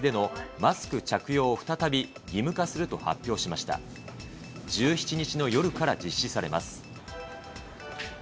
１７日の夜から実施されます。